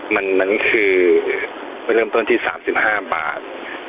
มันคือไปเริ่มต้นที่๓๕บาท